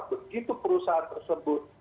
begitu perusahaan tersebut